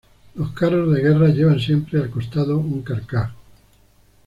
Los carros de guerra llevan siempre al costado un carcaj.